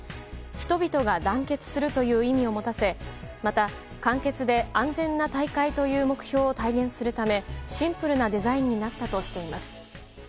人々が団結するという意味を持たせまた簡潔で安全な大会という目標を体現するためシンプルなデザインになったとしています。